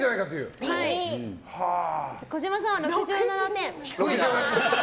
児嶋さんは６７点。